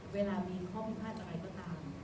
เวลามีข้อพิพาทอะไรก็ตาม